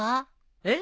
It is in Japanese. えっ？